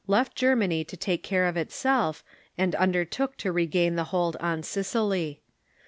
left Germany to take care of itself, and undertook to regain the hold on Sicily.